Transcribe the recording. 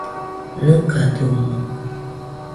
¿Nɨgadɨomoɨ?